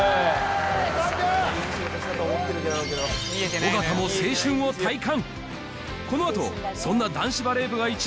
尾形も青春を体感。